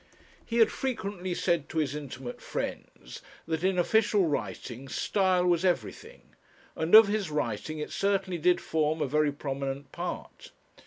He had frequently said to his intimate friends, that in official writing, style was everything; and of his writing it certainly did form a very prominent part.